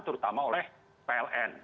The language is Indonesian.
terutama oleh pln